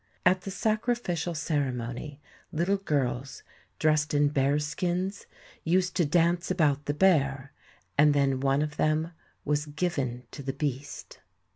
At the sacrificial cere mony little girls, dressed in bear skins, used to dance about the bear, and then one of them was given to the beast.